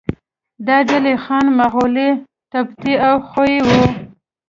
دا ډلې خان، مغولي، تبتي او خویي وو.